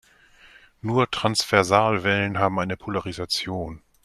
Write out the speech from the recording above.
Nur Transversalwellen haben eine Polarisation.